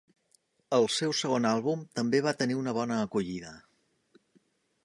El seu segon àlbum també va tenir una bona acollida.